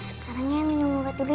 sekarang eyang minum obat dulu ya